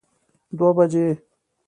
دوه بجی